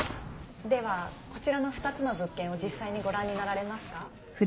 ではこちらの２つの物件を実際にご覧になられますか？